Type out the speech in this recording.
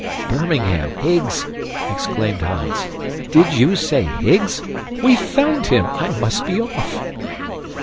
"Birmingham! Higgs!" exclaimed Hans. "Did you say Higgs? We've found him! I must be off."